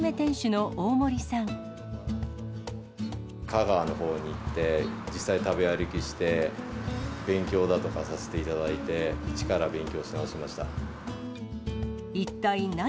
香川のほうに行って、実際食べ歩きして、勉強だとかさせていただいて、一から勉強し直